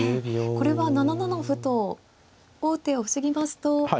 これは７七歩と王手を防ぎますと。